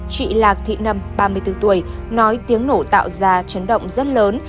chị lạc thị nâm ba mươi bốn tuổi nói tiếng nổ tạo ra chấn động rất lớn